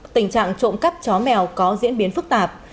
tình trạng trộm cắp chó mèo có diễn biến phức tạp